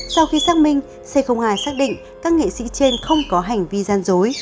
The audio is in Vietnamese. sau khi xác minh c hai xác định các nghệ sĩ trên không có hành vi gian dối